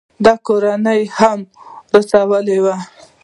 د ده کورنۍ به هم ورسره وي.